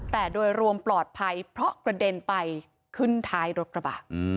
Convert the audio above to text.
แต่โดยรวมปลอดภัยเพราะกระเด็นไปขึ้นท้ายรถกระบะ